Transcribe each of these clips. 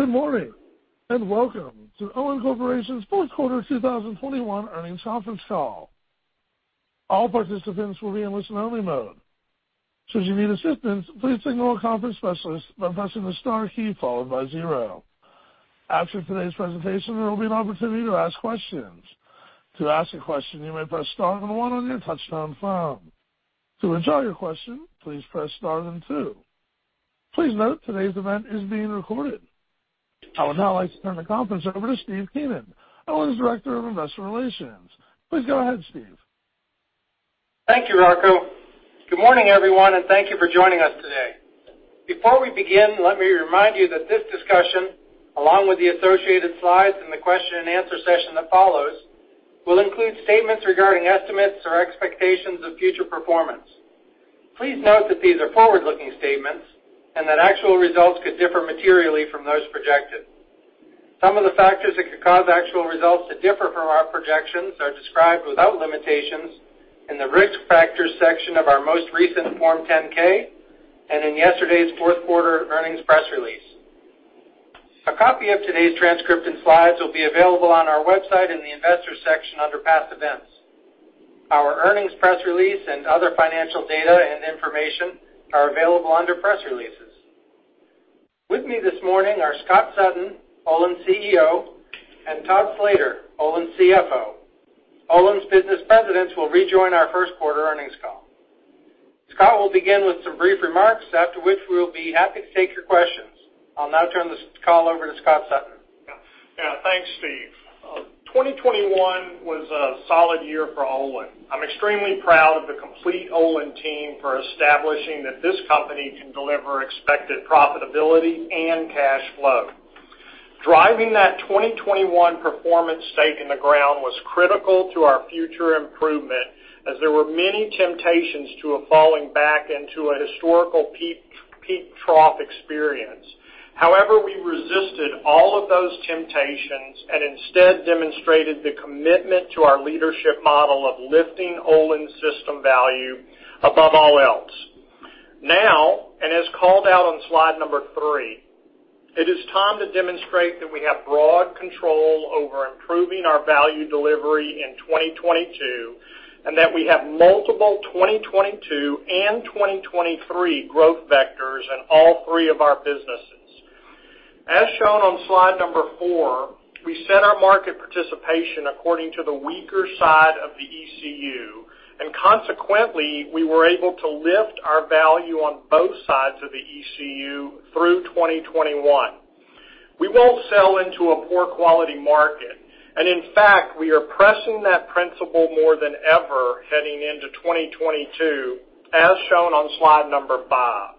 Good morning, and welcome to Olin Corporation's Fourth Quarter 2021 Earnings Conference Call. All participants will be in listen-only mode. Should you need assistance, please signal a conference specialist by pressing the star key followed by zero. After today's presentation, there will be an opportunity to ask questions. To ask a question, you may press star then one on your touchtone phone. To withdraw your question, please press star then two. Please note today's event is being recorded. I would now like to turn the conference over to Steve Keenan, Olin's Director of Investor Relations. Please go ahead, Steve. Thank you, Rocco. Good morning, everyone, and thank you for joining us today. Before we begin, let me remind you that this discussion, along with the associated slides and the question and answer session that follows, will include statements regarding estimates or expectations of future performance. Please note that these are forward-looking statements and that actual results could differ materially from those projected. Some of the factors that could cause actual results to differ from our projections are described without limitations in the Risk Factors section of our most recent Form 10-K and in yesterday's fourth quarter earnings press release. A copy of today's transcript and slides will be available on our website in the Investors section under Past Events. Our earnings press release and other financial data and information are available under Press Releases. With me this morning are Scott Sutton, Olin's CEO, and Todd Slater, Olin's CFO. Olin's business presidents will rejoin our first quarter earnings call. Scott will begin with some brief remarks, after which we will be happy to take your questions. I'll now turn this call over to Scott Sutton. Yeah. Yeah. Thanks, Steve. 2021 was a solid year for Olin. I'm extremely proud of the complete Olin team for establishing that this company can deliver expected profitability and cash flow. Driving that 2021 performance stake in the ground was critical to our future improvement as there were many temptations to falling back into a historical peak-trough experience. However, we resisted all of those temptations and instead demonstrated the commitment to our leadership model of lifting Olin's system value above all else. Now, as called out on slide number three, it is time to demonstrate that we have broad control over improving our value delivery in 2022, and that we have multiple 2022 and 2023 growth vectors in all three of our businesses. As shown on slide number four, we set our market participation according to the weaker side of the ECU, and consequently, we were able to lift our value on both sides of the ECU through 2021. We won't sell into a poor quality market, and in fact, we are pressing that principle more than ever heading into 2022 as shown on slide number five.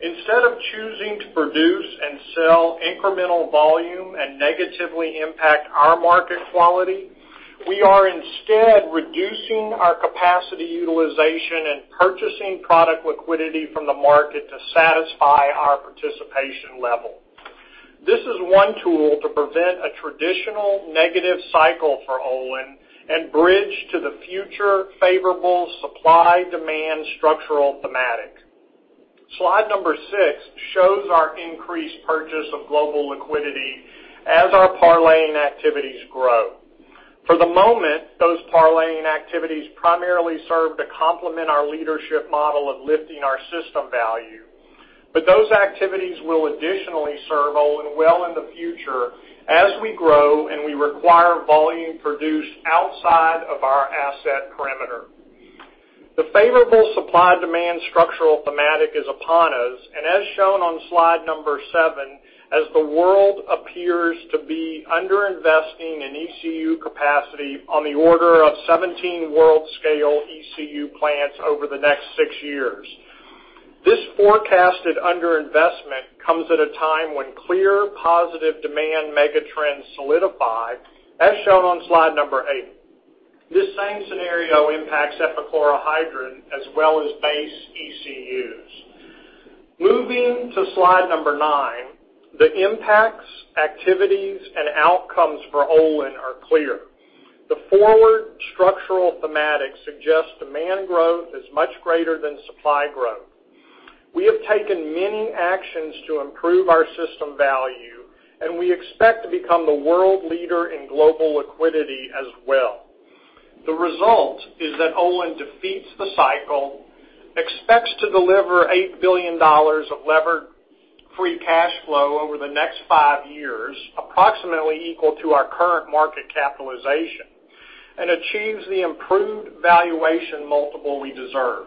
Instead of choosing to produce and sell incremental volume and negatively impact our market quality, we are instead reducing our capacity utilization and purchasing product liquidity from the market to satisfy our participation level. This is one tool to prevent a traditional negative cycle for Olin and bridge to the future favorable supply-demand structural thematic. Slide number six shows our increased purchase of global liquidity as our parlaying activities grow. For the moment, those parlaying activities primarily serve to complement our leadership model of lifting our system value, but those activities will additionally serve Olin well in the future as we grow and we require volume produced outside of our asset perimeter. The favorable supply-demand structural thematic is upon us, and as shown on slide seven, as the world appears to be underinvesting in ECU capacity on the order of 17 world-scale ECU plants over the next six years. This forecasted underinvestment comes at a time when clear positive demand mega trends solidify, as shown on slide eight. This same scenario impacts epichlorohydrin as well as base ECUs. Moving to slide nine, the impacts, activities, and outcomes for Olin are clear. The forward structural thematic suggests demand growth is much greater than supply growth. We have taken many actions to improve our system value, and we expect to become the world leader in global liquidity as well. The result is that Olin defeats the cycle, expects to deliver $8 billion of levered free cash flow over the next five years, approximately equal to our current market capitalization, and achieves the improved valuation multiple we deserve.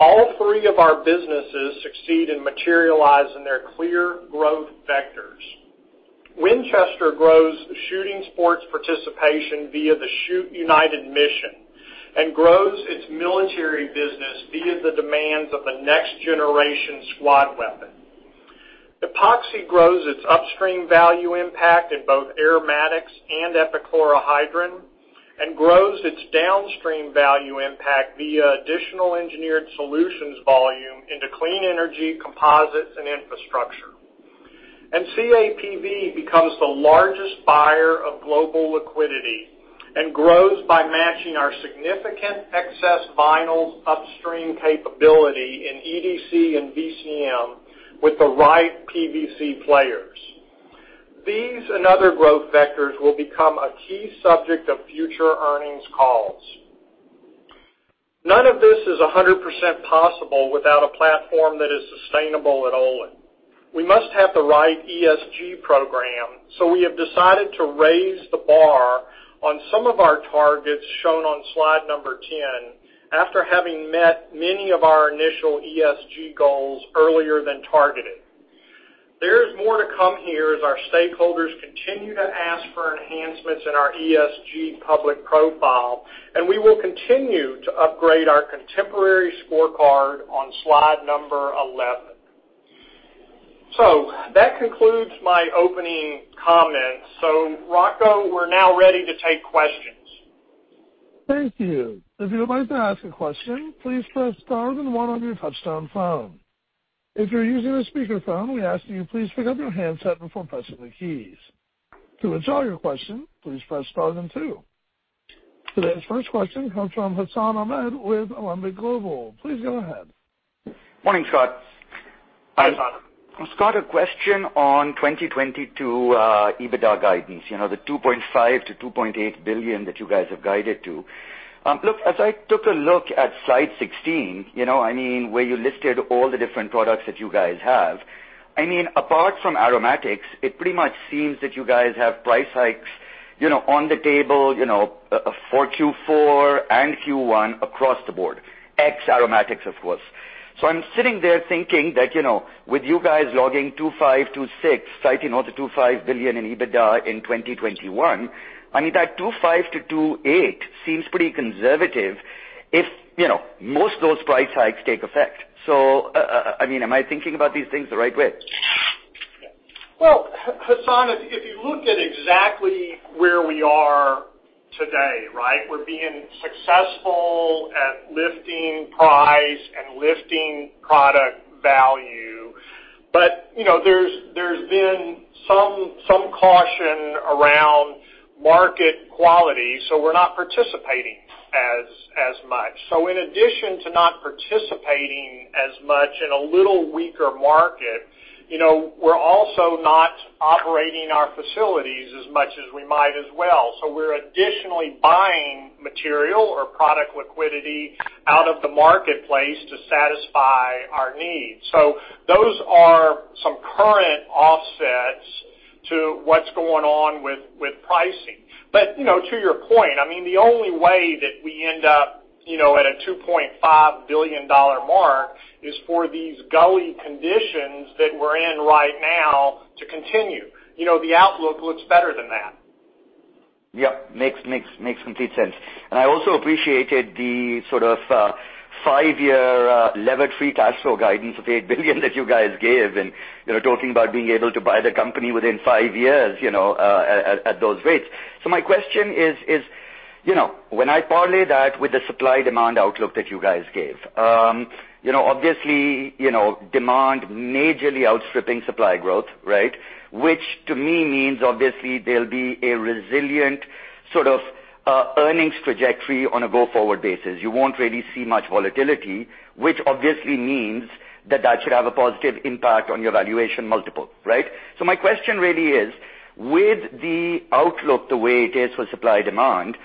All three of our businesses succeed in materializing their clear growth vectors. Winchester grows shooting sports participation via the Shoot United mission and grows its military business via the demands of the Next Generation Squad Weapon. Epoxy grows its upstream value impact in both aromatics and epichlorohydrin and grows its downstream value impact via additional engineered solutions volume into clean energy, composites, and infrastructure. CAPV becomes the largest buyer of global liquidity and grows by matching our significant excess vinyls upstream capability in EDC and VCM with the right PVC players. These and other growth vectors will become a key subject of future earnings calls. None of this is 100% possible without a platform that is sustainable at Olin. We must have the right ESG program, so we have decided to raise the bar on some of our targets shown on slide number 10 after having met many of our initial ESG goals earlier than targeted. There is more to come here as our stakeholders continue to ask for enhancements in our ESG public profile, and we will continue to upgrade our contemporary scorecard on slide number 11. That concludes my opening comments. Rocco, we're now ready to take questions. Today's first question comes from Hassan Ahmed with Alembic Global. Please go ahead. Morning, Scott. Hi, Hassan. Scott, a question on 2022 EBITDA guidance, you know, the $2.5 billion-$2.8 billion that you guys have guided to. Look, as I took a look at slide 16, you know, I mean, where you listed all the different products that you guys have. I mean, apart from aromatics, it pretty much seems that you guys have price hikes, you know, on the table, you know, for Q4 and Q1 across the board, ex aromatics, of course. I'm sitting there thinking that, you know, with you guys logging $2.5-$2.6, citing all the $2.5 billion in EBITDA in 2021, I mean, that $2.5-$2.8 billion seems pretty conservative if, you know, most of those price hikes take effect. I mean, am I thinking about these things the right way? Well, Hassan, if you look at exactly where we are today, right? We're being successful at lifting price and lifting product value. You know, there's been some caution around market quality, so we're not participating as much. In addition to not participating as much in a little weaker market, you know, we're also not operating our facilities as much as we might otherwise. We're additionally buying material or product liquidity out of the marketplace to satisfy our needs. Those are some current offsets to what's going on with pricing. You know, to your point, I mean, the only way that we end up, you know, at a $2.5 billion mark is for these ugly conditions that we're in right now to continue. You know, the outlook looks better than that. Yep. Makes complete sense. I also appreciated the sort of five-year levered free cash flow guidance of $8 billion that you guys gave, and you're talking about being able to buy the company within five years, you know, at those rates. My question is, you know, when I parlay that with the supply demand outlook that you guys gave, you know, obviously, you know, demand majorly outstripping supply growth, right? Which to me means obviously there'll be a resilient sort of earnings trajectory on a go forward basis. You won't really see much volatility, which obviously means that should have a positive impact on your valuation multiple. Right? my question really is, with the outlook the way it is for supply demand,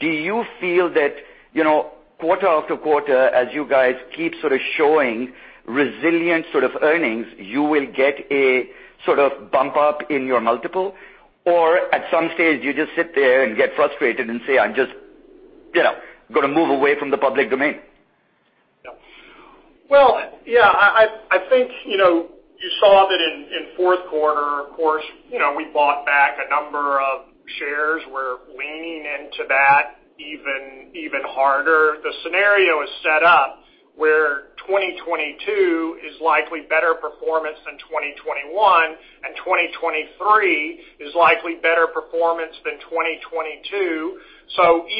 do you feel that, you know, quarter after quarter, as you guys keep sort of showing resilient sort of earnings, you will get a sort of bump up in your multiple? Or at some stage, you just sit there and get frustrated and say, "I'm just, you know, gonna move away from the public domain. Well, yeah, I think you know you saw that in fourth quarter, of course, you know, we bought back a number of shares. We're leaning into that even harder. The scenario is set up where 2022 is likely better performance than 2021, and 2023 is likely better performance than 2022.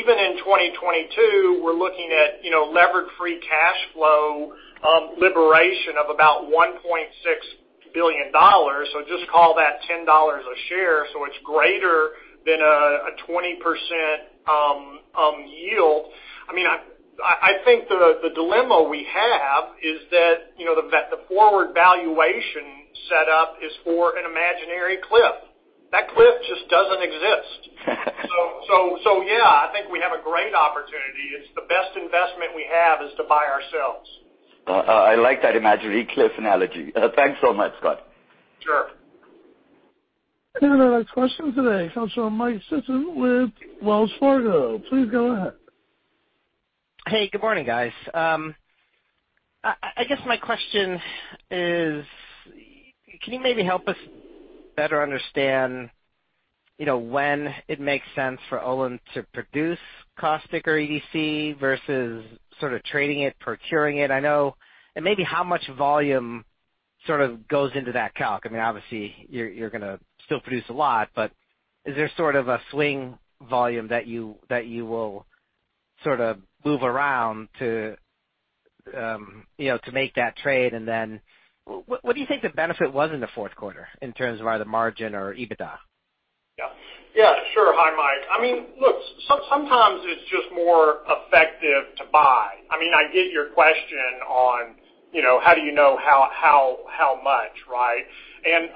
Even in 2022, we're looking at you know levered free cash flow generation of about $1.6 billion. Just call that $10 a share, so it's greater than a 20% yield. I mean, I think the dilemma we have is that you know that the forward valuation set up is for an imaginary cliff. That cliff just doesn't exist. Yeah, I think we have a great opportunity. It's the best investment we have is to buy ourselves. I like that imaginary cliff analogy. Thanks so much, Scott. Sure. Our next question today comes from Mike Sison with Wells Fargo. Please go ahead. Hey, good morning, guys. I guess my question is, can you maybe help us better understand, you know, when it makes sense for Olin to produce caustic or EDC versus sort of trading it, procuring it? I know maybe how much volume sort of goes into that calc. I mean, obviously you're gonna still produce a lot, but is there sort of a swing volume that you will sort of move around to, you know, to make that trade. What do you think the benefit was in the fourth quarter in terms of either margin or EBITDA? Yeah. Yeah, sure. Hi, Mike. I mean, look, sometimes it's just more effective to buy. I mean, I get your question on, you know, how do you know how much, right?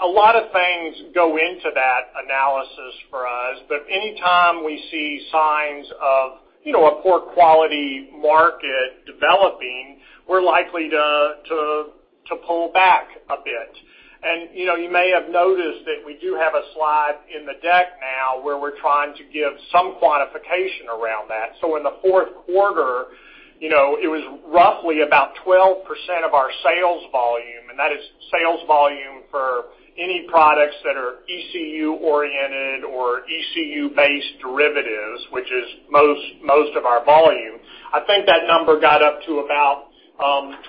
A lot of things go into that analysis for us, but anytime we see signs of, you know, a poor quality market developing, we're likely to pull back a bit. You know, you may have noticed that we do have a slide in the deck now where we're trying to give some quantification around that. In the fourth quarter, you know, it was roughly about 12% of our sales volume, and that is sales volume for any products that are ECU oriented or ECU based derivatives, which is most of our volume. I think that number got up to about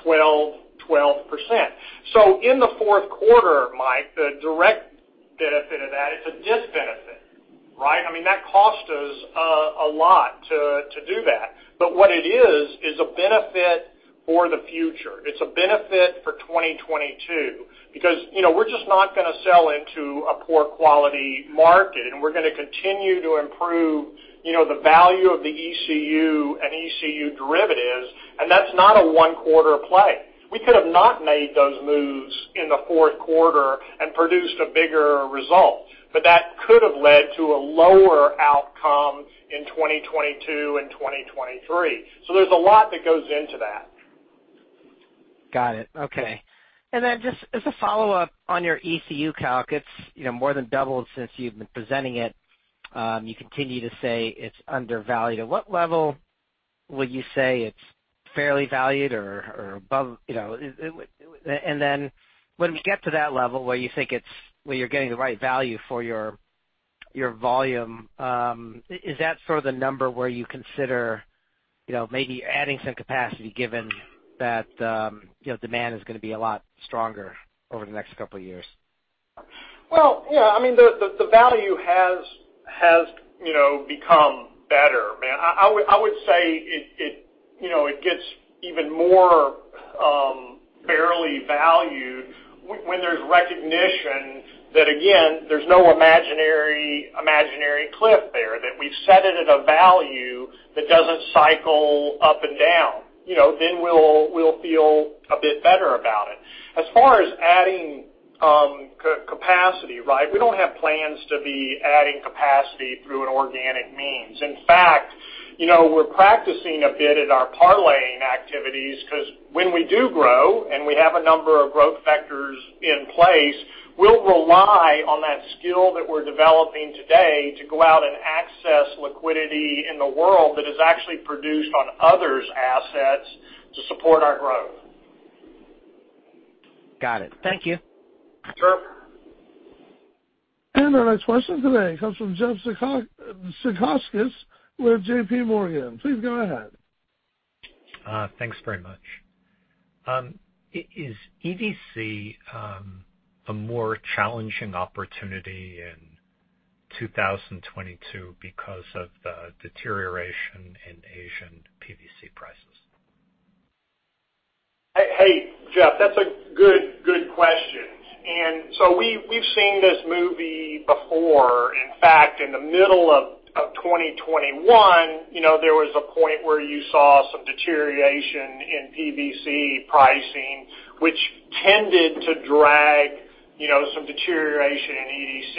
12%. In the fourth quarter, Mike, the direct benefit of that is a disbenefit, right? I mean, that cost us a lot to do that. What it is a benefit for the future. It's a benefit for 2022 because, you know, we're just not gonna sell into a poor quality market, and we're gonna continue to improve, you know, the value of the ECU and ECU derivatives, and that's not a one quarter play. We could have not made those moves in the fourth quarter and produced a bigger result, but that could have led to a lower outcome in 2022 and 2023. There's a lot that goes into that. Got it. Okay. Just as a follow-up on your ECU calc, it's, you know, more than doubled since you've been presenting it. You continue to say it's undervalued. At what level would you say it's fairly valued or above, you know? When we get to that level where you think you're getting the right value for your volume, is that sort of the number where you consider, you know, maybe adding some capacity given that, you know, demand is gonna be a lot stronger over the next couple of years? Well, yeah, I mean, the value has, you know, become better. Man, I would say it, you know, it gets even more barely valued when there's recognition that again, there's no imaginary cliff there that we've set it at a value that doesn't cycle up and down. You know, then we'll feel a bit better about it. As far as adding capacity, right, we don't have plans to be adding capacity through an organic means. In fact, you know, we're practicing a bit at our parlaying activities 'cause when we do grow and we have a number of growth vectors in place, we'll rely on that skill that we're developing today to go out and access liquidity in the world that is actually produced on others' assets to support our growth. Got it. Thank you. Sure. Our next question today comes from Jeff Zekauskas with JPMorgan. Please go ahead. Thanks very much. Is EDC a more challenging opportunity in 2022 because of the deterioration in Asian PVC prices? Hey, Jeff, that's a good question. We've seen this movie before. In fact, in the middle of 2021, you know, there was a point where you saw some deterioration in PVC pricing, which tended to drag, you know, some deterioration in EDC.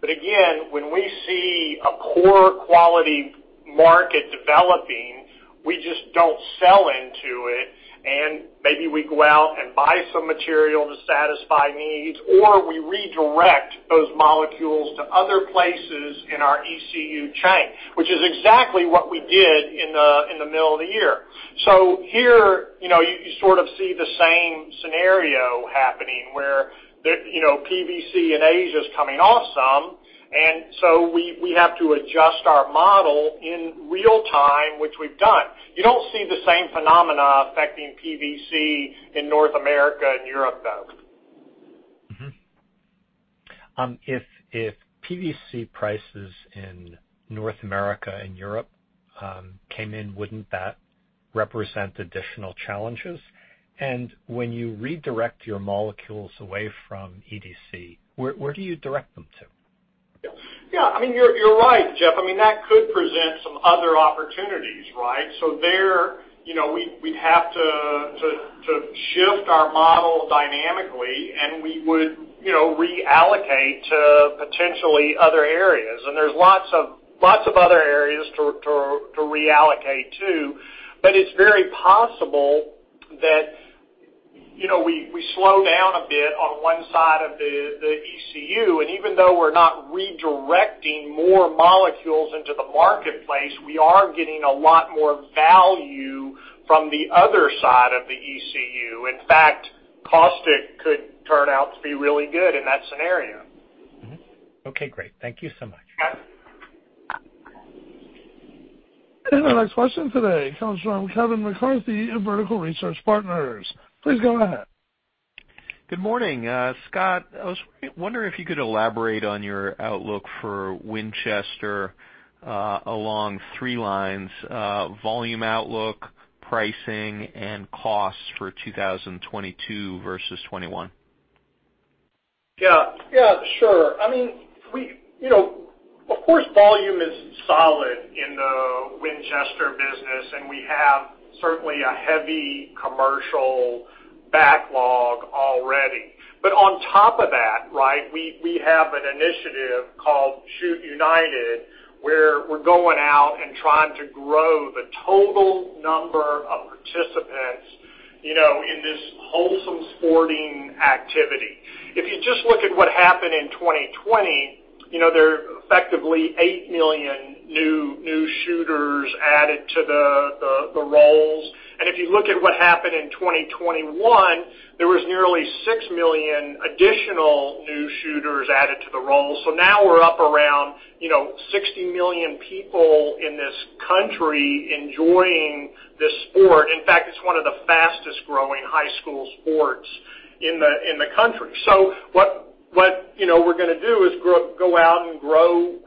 But again, when we see a poor quality market developing, we just don't sell into it, and maybe we go out and buy some material to satisfy needs, or we redirect those molecules to other places in our ECU chain, which is exactly what we did in the middle of the year. Here, you know, you sort of see the same scenario happening where the, you know, PVC in Asia is coming off some. We have to adjust our model in real time, which we've done. You don't see the same phenomena affecting PVC in North America and Europe, though. If PVC prices in North America and Europe came in, wouldn't that represent additional challenges? When you redirect your molecules away from EDC, where do you direct them to? Yeah. I mean, you're right, Jeff. I mean, that could present some other opportunities, right? There, you know, we'd have to shift our model dynamically, and we would, you know, reallocate to potentially other areas. There's lots of other areas to reallocate to. It's very possible that, you know, we slow down a bit on one side of the ECU. Even though we're not redirecting more molecules into the marketplace, we are getting a lot more value from the other side of the ECU. In fact, caustic could turn out to be really good in that scenario. Mm-hmm. Okay, great. Thank you so much. Yes. Our next question today comes from Kevin McCarthy of Vertical Research Partners. Please go ahead. Good morning, Scott. I was wondering if you could elaborate on your outlook for Winchester along three lines, volume outlook, pricing, and costs for 2022 versus 2021. Yeah. Yeah, sure. I mean, we, you know, of course, volume is solid in the Winchester business, and we have certainly a heavy commercial backlog already. On top of that, right, we have an initiative called Shoot United, where we're going out and trying to grow the total number of participants, you know, in this wholesome sporting activity. If you just look at what happened in 2020, you know, there are effectively 8 million new shooters added to the rolls. If you look at what happened in 2021, there was nearly 6 million additional new shooters added to the roll. Now we're up around, you know, 60 million people in this country enjoying this sport. In fact, it's one of the fastest-growing high school sports in the country. What you know, we're gonna do is go out and grow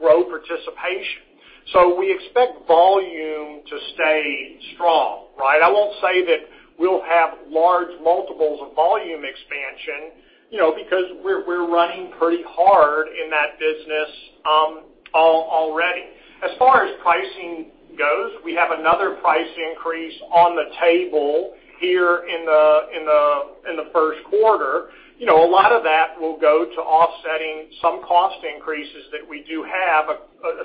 participation. We expect volume to stay strong, right? I won't say that we'll have large multiples of volume expansion, you know, because we're running pretty hard in that business already. As far as pricing goes, we have another price increase on the table here in the first quarter. You know, a lot of that will go to offsetting some cost increases that we do have,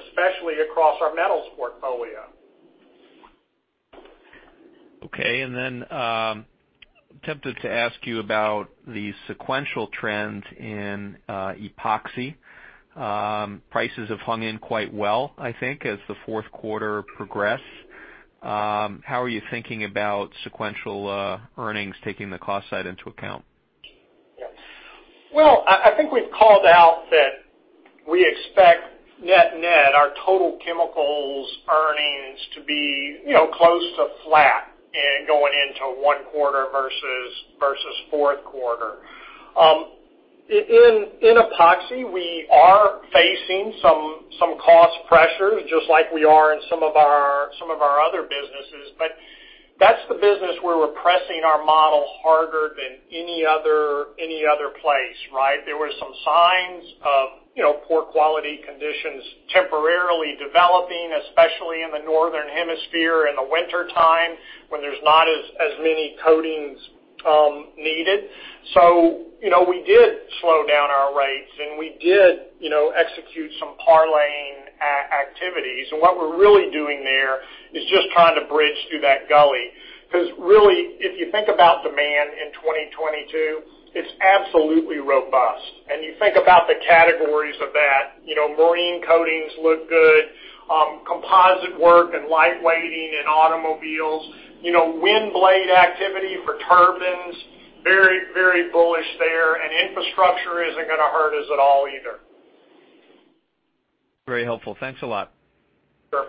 especially across our metals portfolio. Okay. Tempted to ask you about the sequential trends in Epoxy. Prices have hung in quite well, I think, as the fourth quarter progressed. How are you thinking about sequential earnings, taking the cost side into account? Well, I think we've called out that we expect net net our total chemicals earnings to be, you know, close to flat going into one quarter versus fourth quarter. In Epoxy, we are facing some cost pressures, just like we are in some of our other businesses. That's the business where we're pressing our model harder than any other place, right? There were some signs of, you know, poor quality conditions temporarily developing, especially in the Northern Hemisphere, in the wintertime, when there's not as many coatings needed. We did slow down our rates, and we did, you know, execute some parlaying activities. What we're really doing there is just trying to bridge through that gully. Really, if you think about demand in 2022, it's absolutely robust. You think about the categories of that, you know, marine coatings look good, composite work and light weighting in automobiles, you know, wind blade activity for turbines, very, very bullish there, and infrastructure isn't gonna hurt us at all either. Very helpful. Thanks a lot. Sure.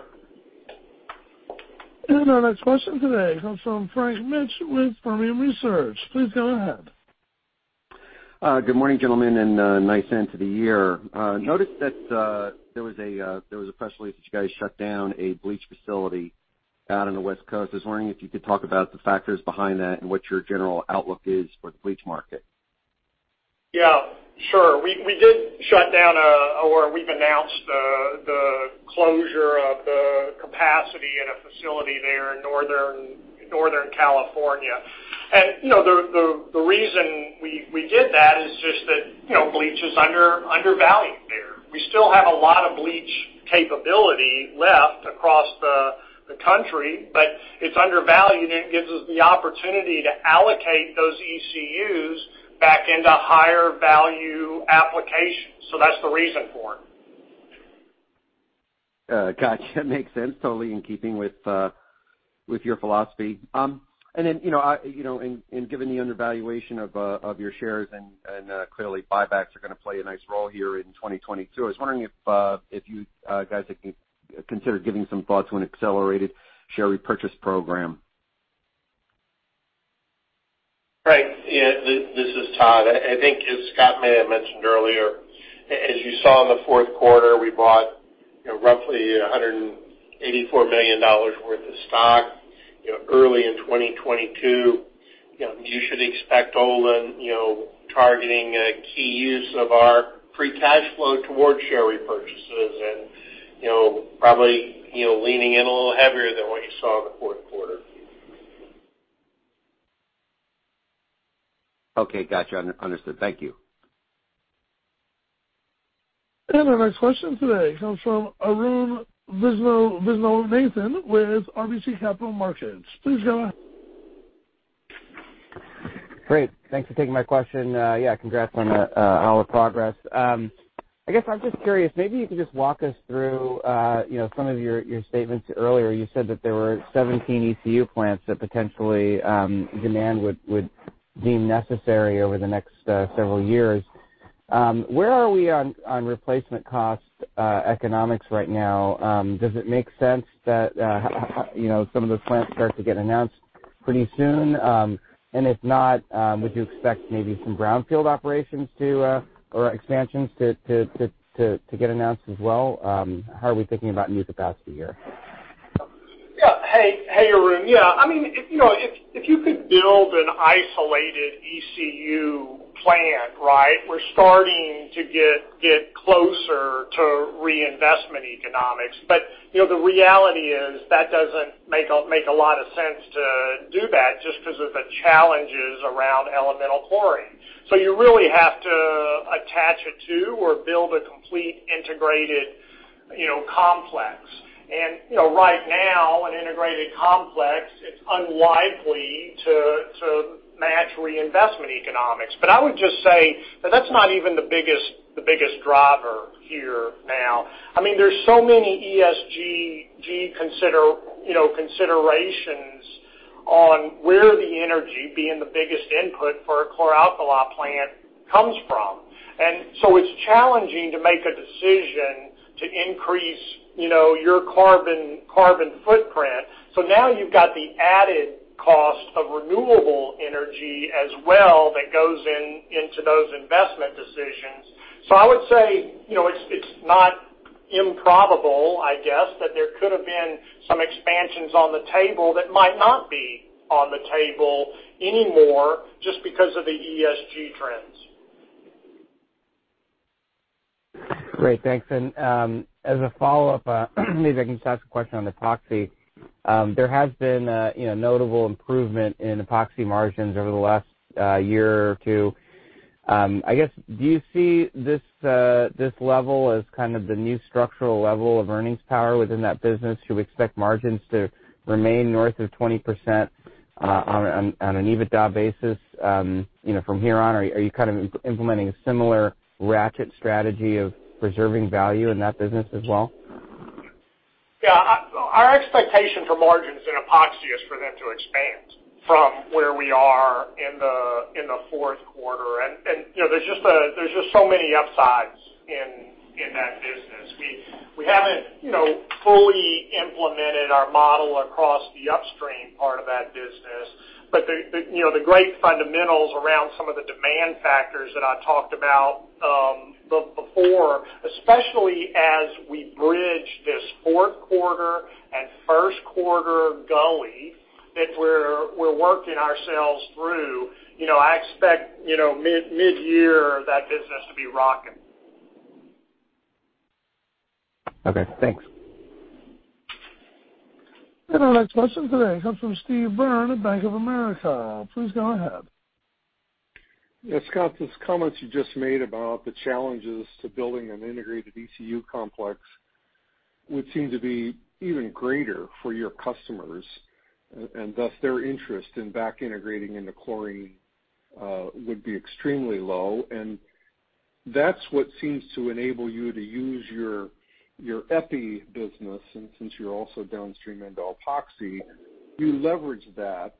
Our next question today comes from Frank Mitsch with Fermium Research. Please go ahead. Good morning, gentlemen, and nice end to the year. I noticed that there was a press release that you guys shut down a bleach facility out on the West Coast. I was wondering if you could talk about the factors behind that and what your general outlook is for the bleach market. Yeah, sure. We did shut down or we've announced the closure of the capacity in a facility there in Northern California. You know, the reason we did that is just that, you know, bleach is undervalued there. We still have a lot of bleach capability left across the country, but it's undervalued, and it gives us the opportunity to allocate those ECUs back into higher value applications. That's the reason for it. Gotcha. Makes sense, totally in keeping with your philosophy. You know, given the undervaluation of your shares and clearly buybacks are gonna play a nice role here in 2022, I was wondering if you guys are considering giving some thought to an accelerated share repurchase program. Frank, yeah, this is Todd. I think as Scott may have mentioned earlier, as you saw in the fourth quarter, we bought, you know, roughly $184 million worth of stock, you know, early in 2022. You know, you should expect Olin, you know, targeting key use of our free cash flow towards share repurchases and, you know, probably, you know, leaning in a little heavier than what you saw in the fourth quarter. Okay. Gotcha. Understood. Thank you. Our next question today comes from Arun Viswanathan with RBC Capital Markets. Please go ahead. Great. Thanks for taking my question. Yeah, congrats on all the progress. I guess I'm just curious, maybe you could just walk us through you know some of your statements earlier. You said that there were 17 ECU plants that potentially demand would deem necessary over the next several years. Where are we on replacement cost economics right now? Does it make sense that you know some of those plants start to get announced pretty soon? And if not, would you expect maybe some brownfield operations or expansions to get announced as well? How are we thinking about new capacity here? Yeah. Hey, Arun. Yeah, I mean, if you know, if you could build an isolated ECU plant, right, we're starting to get closer to reinvestment economics. The reality is that doesn't make a lot of sense to do that just 'cause of the challenges around elemental chlorine. You really have to attach it to or build a complete integrated complex. Right now, an integrated complex is unlikely to match reinvestment economics. I would just say that that's not even the biggest driver here now. I mean, there's so many ESG considerations on where the energy being the biggest input for a chloralkali plant comes from. It's challenging to make a decision to increase your carbon footprint. Now you've got the added cost of renewable energy as well that goes in, into those investment decisions. I would say, you know, it's not improbable, I guess, that there could have been some expansions on the table that might not be on the table anymore just because of the ESG trends. Great. Thanks. As a follow-up, maybe I can just ask a question on Epoxy. There has been a, you know, notable improvement in Epoxy margins over the last year or two. I guess, do you see this level as kind of the new structural level of earnings power within that business? Should we expect margins to remain north of 20% on an EBITDA basis, you know, from here on? Are you kind of implementing a similar ratchet strategy of preserving value in that business as well? Yeah. Our expectation for margins in Epoxy is for them to expand from where we are in the fourth quarter. You know, there's just so many upsides in that business. We haven't, you know, fully implemented our model across the upstream part of that business. But the great fundamentals around some of the demand factors that I talked about before, especially as we bridge this fourth quarter and first quarter valley that we're working ourselves through, you know, I expect midyear that business to be rocking. Okay, thanks. Our next question today comes from Steve Byrne at Bank of America. Please go ahead. Yeah, Scott, those comments you just made about the challenges to building an integrated ECU complex would seem to be even greater for your customers, and thus their interest in back integrating into chlorine would be extremely low. That's what seems to enable you to use your EPI business. Since you're also downstream into Epoxy, you leverage that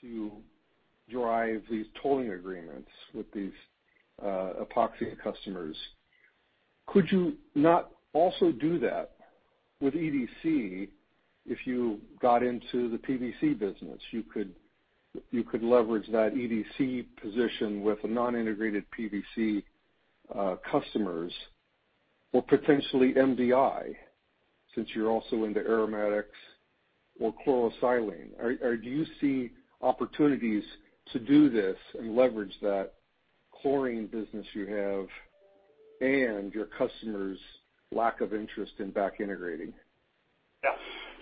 to drive these tolling agreements with these Epoxy customers. Could you not also do that with EDC if you got into the PVC business? You could leverage that EDC position with a non-integrated PVC customers or potentially MDI since you're also into aromatics or chlorosilane. Do you see opportunities to do this and leverage that chlorine business you have and your customers' lack of interest in back integrating?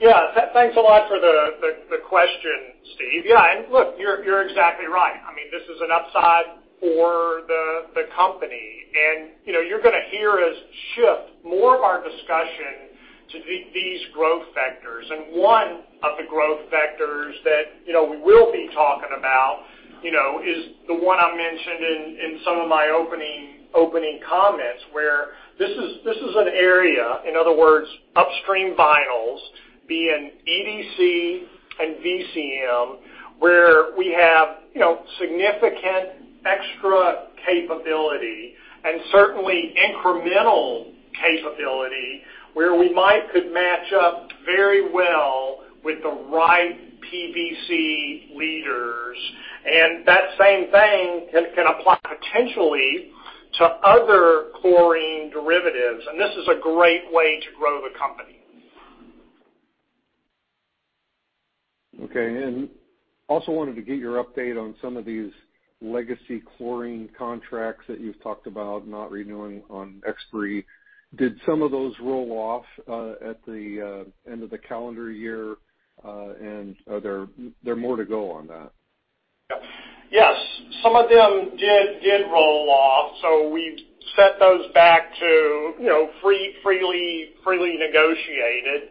Yeah. Thanks a lot for the question, Steve. Yeah. Look, you're exactly right. I mean, this is an upside for the company. You know, you're gonna hear us shift more of our discussion to these growth vectors. One of the growth vectors that, you know, we will be talking about, you know, is the one I mentioned in some of my opening comments, where this is an area, in other words, upstream vinyls, be it in EDC and VCM, where we have, you know, significant extra capability and certainly incremental capability where we might could match up very well with the right PVC leaders. That same thing can apply potentially to other chlorine derivatives, and this is a great way to grow the company. Okay. Also wanted to get your update on some of these legacy chlorine contracts that you've talked about not renewing on expiry. Did some of those roll off at the end of the calendar year, and are there more to go on that? Yes. Some of them did roll off, so we set those back to, you know, freely negotiated.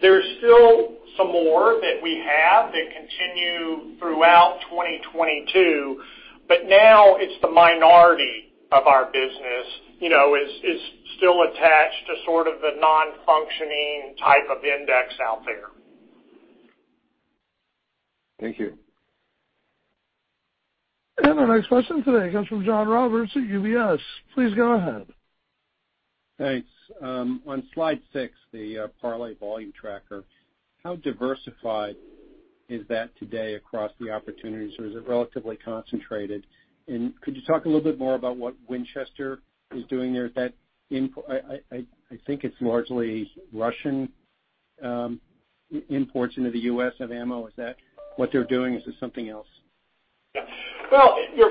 There's still some more that we have that continue throughout 2022, but now it's the minority of our business, you know, is still attached to sort of the non-functioning type of index out there. Thank you. Our next question today comes from John Roberts at UBS. Please go ahead. Thanks. On slide six, the parlay volume tracker, how diversified is that today across the opportunities, or is it relatively concentrated? Could you talk a little bit more about what Winchester is doing there? I think it's largely Russian imports into the U.S. of ammo. Is that what they're doing? Is it something else? Yeah. Well, your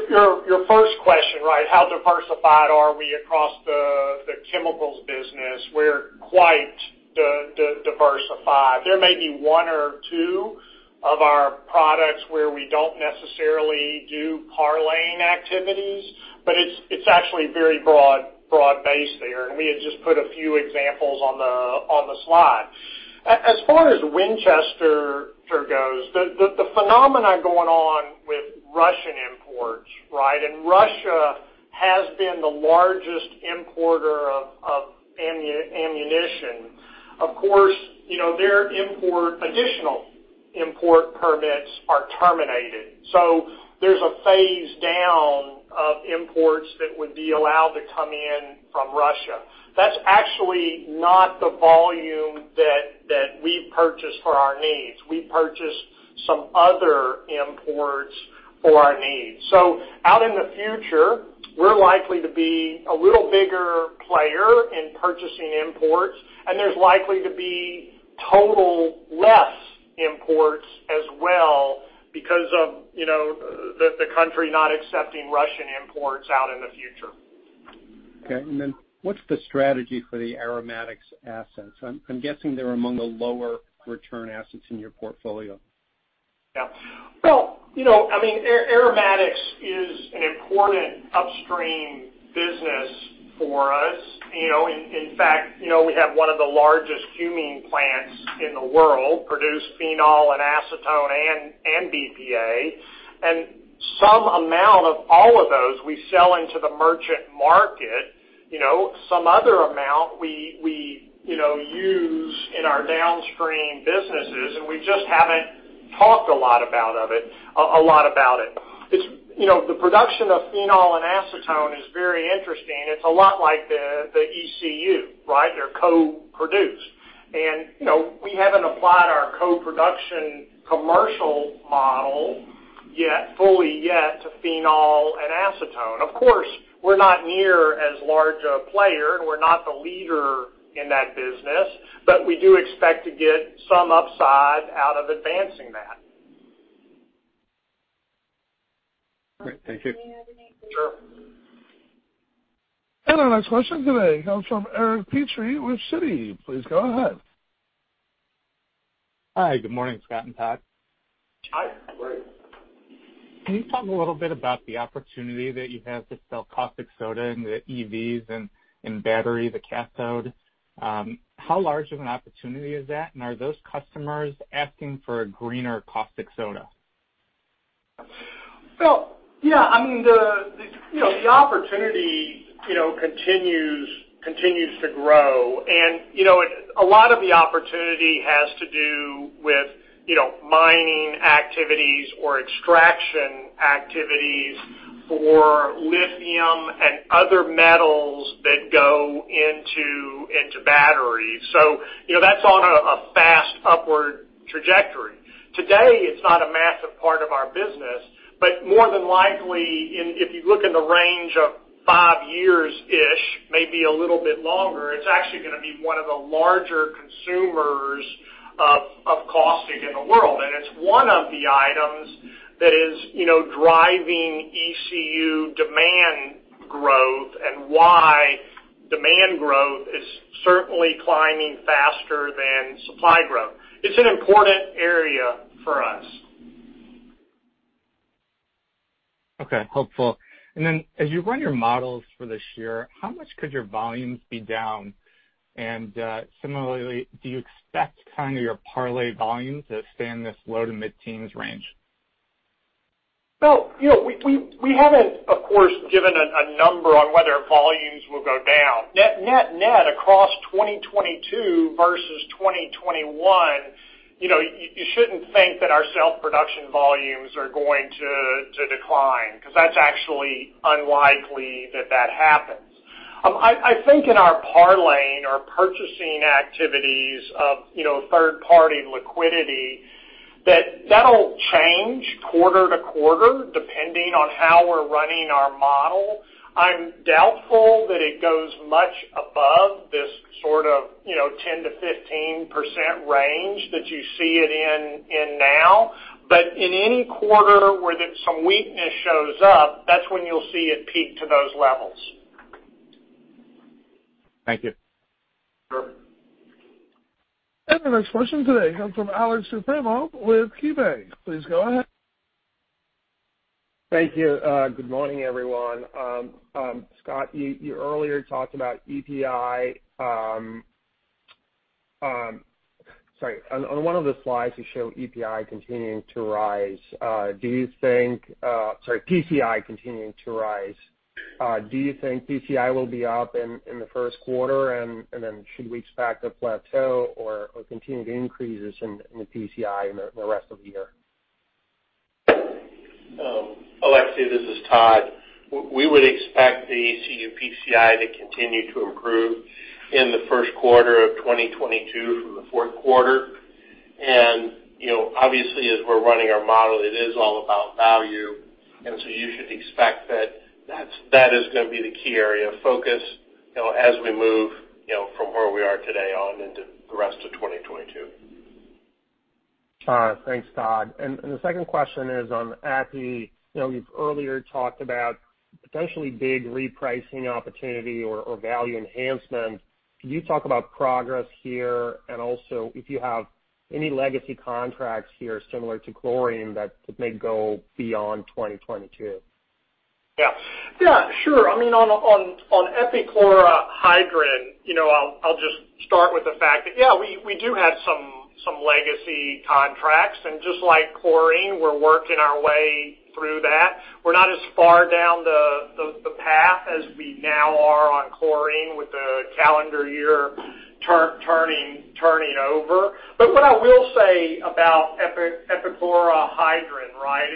first question, right, how diversified are we across the chemicals business? We're quite diversified. There may be one or two of our products where we don't necessarily do parlaying activities, but it's actually very broad base there. We had just put a few examples on the slide. As far as Winchester goes, the phenomena going on with Russian imports, right? Russia has been the largest exporter of ammunition. Of course, you know, their additional import permits are terminated. There's a phase down of imports that would be allowed to come in from Russia. That's actually not the volume that we purchase for our needs. We purchase some other imports for our needs. Out in the future, we're likely to be a little bigger player in purchasing imports, and there's likely to be total less imports as well because of, you know, the country not accepting Russian imports out in the future. Okay. What's the strategy for the aromatics assets? I'm guessing they're among the lower return assets in your portfolio. Yeah. Well, you know, I mean, aromatics is an important upstream business for us. You know, in fact, you know, we have one of the largest cumene plants in the world, produce phenol and acetone and BPA. Some amount of all of those we sell into the merchant market. You know, some other amount we you know use in our downstream businesses, and we just haven't talked a lot about it. It's you know the production of phenol and acetone is very interesting. It's a lot like the ECU, right? They're co-produced. You know we haven't applied our co-production commercial model yet fully to phenol and acetone. Of course, we're not near as large a player, and we're not the leader in that business, but we do expect to get some upside out of advancing that. Great. Thank you. Sure. Our next question today comes from Eric Petrie with Citi. Please go ahead. Hi, good morning, Scott and Todd. Hi. Good morning. Can you talk a little bit about the opportunity that you have to sell caustic soda into EVs and in battery, the cathode? How large of an opportunity is that? Are those customers asking for a greener caustic soda? Well, yeah. I mean, the you know, the opportunity you know continues to grow. You know, a lot of the opportunity has to do with you know, mining activities or extraction activities for lithium and other metals that go into batteries. You know, that's on a fast upward trajectory. Today, it's not a massive part of our business, but more than likely, if you look in the range of five years-ish, maybe a little bit longer, it's actually gonna be one of the larger consumers of caustic in the world. It's one of the items that is you know, driving ECU demand growth and why demand growth is certainly climbing faster than supply growth. It's an important area for us. Okay. Helpful. As you run your models for this year, how much could your volumes be down? Similarly, do you expect kind of your PVC volumes to stay in this low to mid-teens range? You know, we haven't, of course, given a number on whether volumes will go down. Net across 2022 versus 2021, you know, you shouldn't think that our self-production volumes are going to decline because that's actually unlikely that that happens. I think in our parlaying or purchasing activities of, you know, third party liquidity, that'll change quarter to quarter depending on how we're running our model. I'm doubtful that it goes much above this sort of, you know, 10%-15% range that you see it in now. But in any quarter where there's some weakness shows up, that's when you'll see it peak to those levels. Thank you. Sure. The next question today comes from Aleksey Yefremov with KeyBanc. Please go ahead. Thank you. Good morning, everyone. Scott, you earlier talked about EPI. Sorry. On one of the slides, you show EPI continuing to rise. Sorry. PCI continuing to rise. Do you think PCI will be up in the first quarter, and then should we expect a plateau or continued increases in the PCI in the rest of the year? Aleksey, this is Todd. We would expect the ECU PCI to continue to improve in the first quarter of 2022 from the fourth quarter. You know, obviously, as we're running our model, it is all about value. You should expect that is gonna be the key area of focus, you know, as we move, you know, from where we are today on into the rest of 2022. Thanks, Todd. The second question is on EPI. You know, you've earlier talked about potentially big repricing opportunity or value enhancement. Can you talk about progress here, and also if you have any legacy contracts here similar to chlorine that may go beyond 2022? Yeah. Yeah, sure. I mean, on epichlorohydrin, you know, I'll just start with the fact that, yeah, we do have some legacy contracts, and just like chlorine, we're working our way through that. We're not as far down the path as we now are on chlorine with the calendar year turning over. But what I will say about epichlorohydrin, right?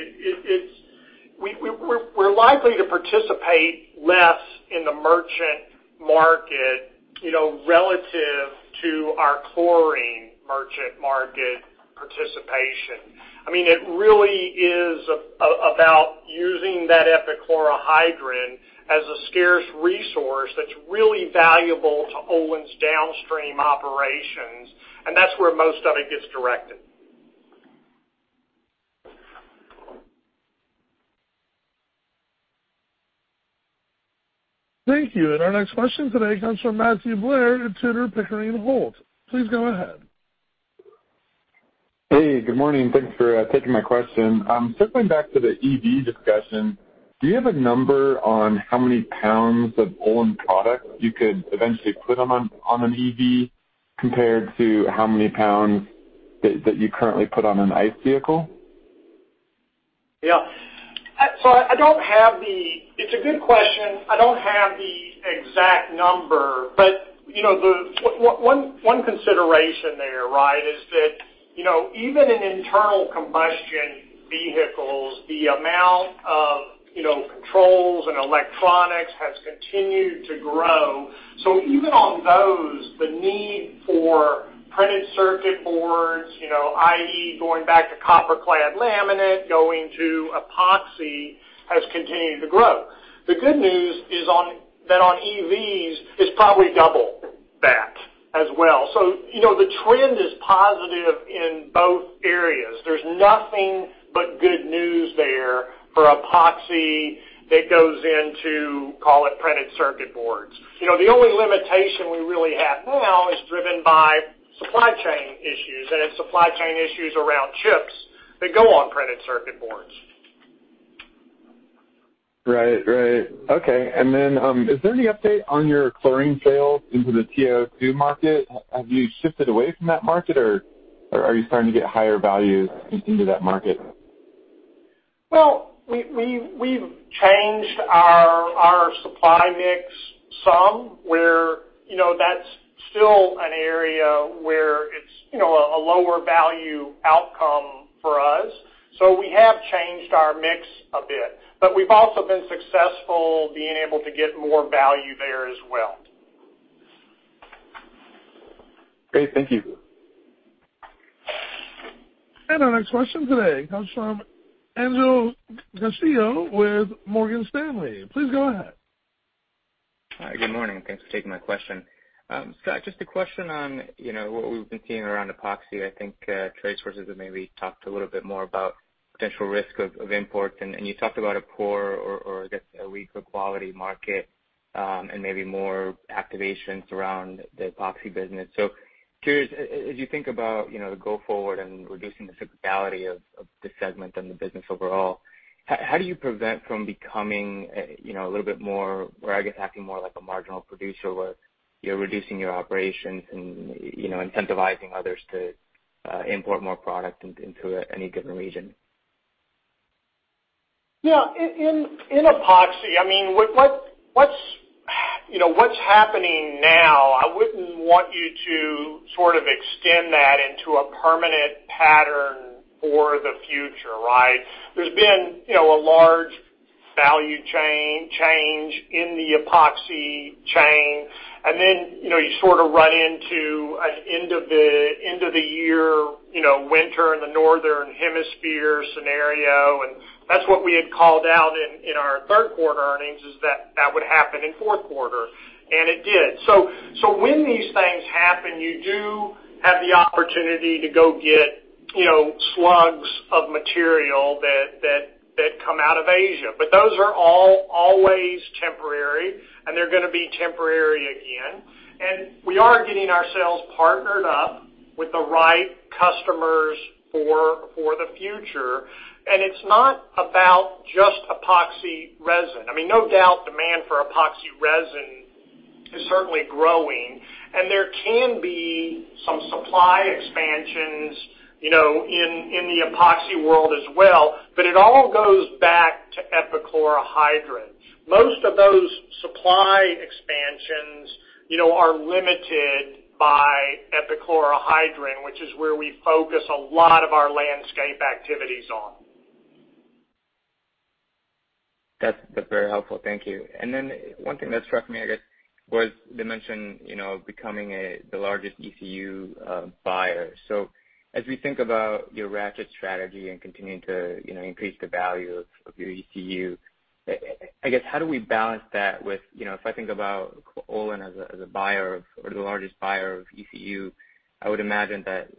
We're likely to participate less in the merchant market, you know, relative to our chlorine merchant market participation. I mean, it really is about using that epichlorohydrin as a scarce resource that's really valuable to Olin's downstream operations, and that's where most of it gets directed. Thank you. Our next question today comes from Matthew Blair at Tudor, Pickering, Holt & Co. Please go ahead. Hey, good morning. Thanks for taking my question. Circling back to the EV discussion, do you have a number on how many pounds of Olin product you could eventually put on an EV compared to how many pounds that you currently put on an ICE vehicle? Yeah. So I don't have the exact number, but it's a good question. You know, the one consideration there, right? Is that, you know, even in internal combustion vehicles, the amount of, you know, controls and electronics has continued to grow. So even on those, the need for printed circuit boards, you know, i.e., going back to copper clad laminate, going to epoxy has continued to grow. The good news is that on EVs is probably double that as well. So, you know, the trend is positive in both areas. There's nothing but good news there for epoxy that goes into, call it printed circuit boards. You know, the only limitation we really have now is driven by supply chain issues, and it's supply chain issues around chips that go on printed circuit boards. Right. Okay. Is there any update on your chlorine sales into the TiO2 market? Have you shifted away from that market, or are you starting to get higher values into that market? Well, we've changed our supply mix somewhat, you know, that's still an area where it's, you know, a lower value outcome for us. We have changed our mix a bit. We've also been successful being able to get more value there as well. Great. Thank you. Our next question today comes from Angel Castillo with Morgan Stanley. Please go ahead. Hi, good morning. Thanks for taking my question. Scott, just a question on, you know, what we've been seeing around Epoxy. I think, trade sources have maybe talked a little bit more about potential risk of imports, and you talked about a poor, or I guess, a weaker quality market, and maybe more activations around the Epoxy business. Curious, as you think about, you know, the go forward and reducing the cyclicality of the segment and the business overall, how do you prevent from becoming, you know, a little bit more or I guess, acting more like a marginal producer where you're reducing your operations and, you know, incentivizing others to import more product into any given region? Yeah. In Epoxy, I mean, what's happening now, you know, I wouldn't want you to sort of extend that into a permanent pattern for the future, right? There's been, you know, a large value chain change in the Epoxy chain. You sort of run into an end of the year, you know, winter in the northern hemisphere scenario, and that's what we had called out in our third quarter earnings is that that would happen in fourth quarter, and it did. When these things happen, you do have the opportunity to go get, you know, slugs of material that come out of Asia. Those are all always temporary, and they're gonna be temporary again. We are getting ourselves partnered up with the right customers for the future. It's not about just epoxy resin. I mean, no doubt demand for epoxy resin is certainly growing. There can be some supply expansions, you know, in the epoxy world as well, but it all goes back to epichlorohydrin. Most of those supply expansions, you know, are limited by epichlorohydrin, which is where we focus a lot of our landscape activities on. That's very helpful. Thank you. Then one thing that struck me, I guess, was the mention, you know, becoming the largest ECU buyer. As we think about your ratchet strategy and continuing to, you know, increase the value of your ECU, I guess, how do we balance that with, you know, if I think about Olin as a buyer or the largest buyer of ECU, I would imagine that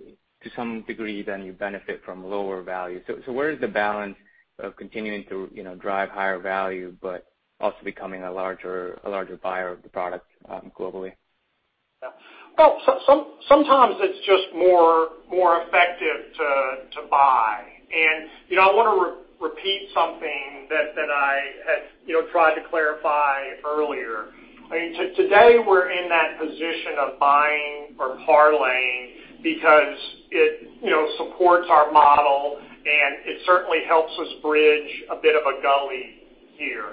to some degree then you benefit from lower value. Where is the balance of continuing to, you know, drive higher value but also becoming a larger buyer of the product globally? Yeah. Well, sometimes it's just more effective to buy. You know, I wanna repeat something that I had you know tried to clarify earlier. I mean, today we're in that position of buying or parlaying because it you know supports our model, and it certainly helps us bridge a bit of a gully here.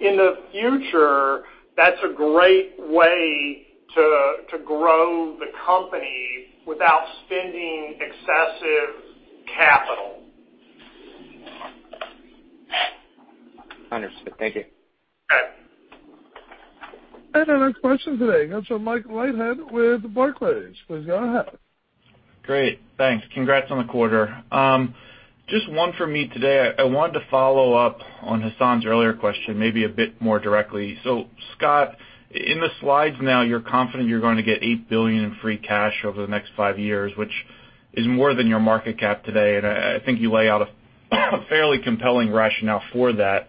In the future, that's a great way to grow the company without spending excessive capital. Understood. Thank you. Okay. Our next question today comes from Mike Leithead with Barclays. Please go ahead. Great. Thanks. Congrats on the quarter. Just one for me today. I wanted to follow up on Hassan's earlier question maybe a bit more directly. Scott, in the slides now, you're confident you're gonna get $8 billion in free cash over the next five years, which is more than your market cap today. I think you lay out a fairly compelling rationale for that.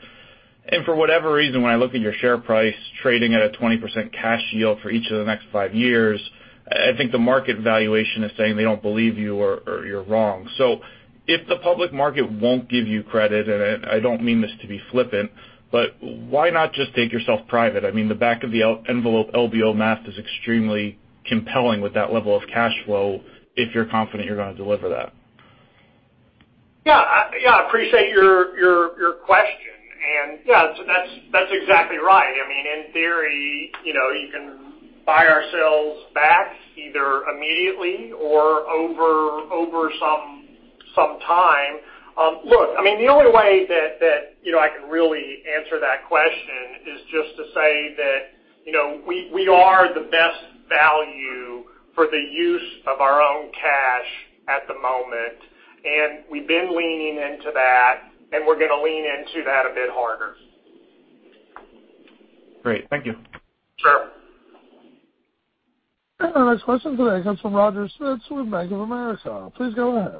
For whatever reason, when I look at your share price trading at a 20% cash yield for each of the next five years, I think the market valuation is saying they don't believe you or you're wrong. If the public market won't give you credit, and I don't mean this to be flippant, but why not just take yourself private? I mean, the back of the envelope LBO math is extremely compelling with that level of cash flow if you're confident you're gonna deliver that. Yeah. Appreciate your question. Yeah, that's exactly right. I mean, in theory, you know, you can buy ourselves back either immediately or over some time. Look, I mean, the only way that you know, I can really answer that question is just to say that, you know, we are the best value for the use of our own cash at the moment, and we've been leaning into that, and we're gonna lean into that a bit harder. Great. Thank you. Sure. Our next question today comes from Roger Spitz with Bank of America. Please go ahead.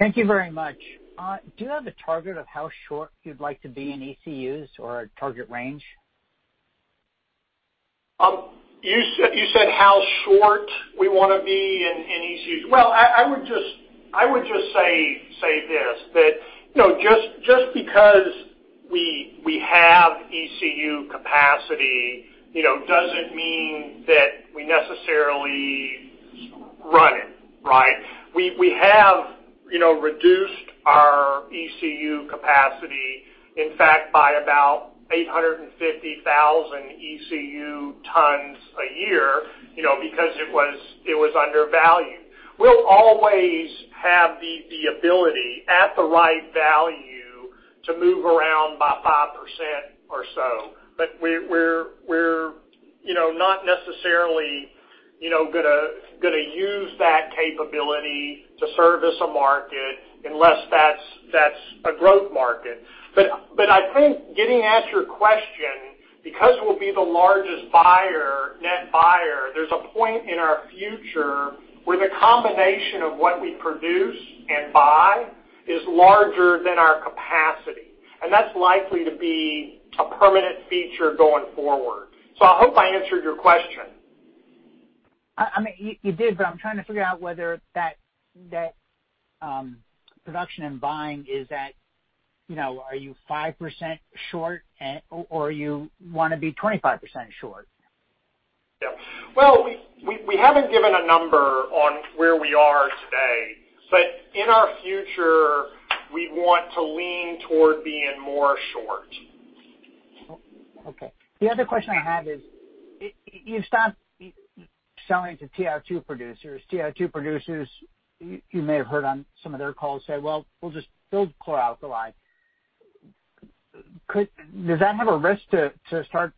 Thank you very much. Do you have a target of how short you'd like to be in ECUs or a target range? You said how short we wanna be in ECUs? Well, I would just say this, that, you know, just because we have ECU capacity, you know, doesn't mean that we necessarily run it, right? We have, you know, reduced our ECU capacity, in fact, by about 850,000 ECU tons a year, you know, because it was undervalued. We'll always have the ability at the right value to move around by 5% or so. But we're, you know, not necessarily, you know, gonna use that capability to service a market unless that's a growth market. I think getting at your question, because we'll be the largest buyer, net buyer, there's a point in our future where the combination of what we produce and buy is larger than our capacity, and that's likely to be a permanent feature going forward. I hope I answered your question. I mean, you did, but I'm trying to figure out whether that production and buying is at, you know, are you 5% short and or you wanna be 25% short? Yeah. Well, we haven't given a number on where we are today, but in our future, we want to lean toward being more short. Okay. The other question I had is, you stopped selling to TiO2 producers. TiO2 producers, you may have heard on some of their calls say, "Well, we'll just build chloralkali." Does that have a risk to start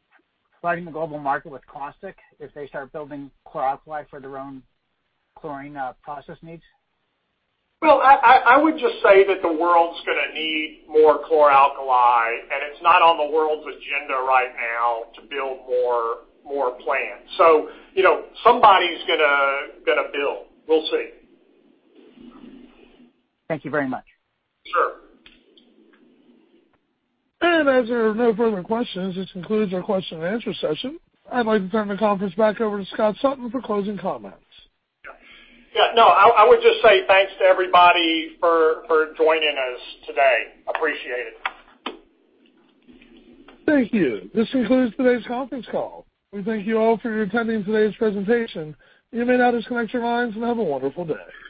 flooding the global market with caustic if they start building chloralkali for their own chlorine process needs? Well, I would just say that the world's gonna need more chloralkali, and it's not on the world's agenda right now to build more plants. You know, somebody's gonna build. We'll see. Thank you very much. Sure. As there are no further questions, this concludes our question and answer session. I'd like to turn the conference back over to Scott Sutton for closing comments. Yeah, no, I would just say thanks to everybody for joining us today. Appreciate it. Thank you. This concludes today's conference call. We thank you all for attending today's presentation. You may now disconnect your lines and have a wonderful day. Thanks.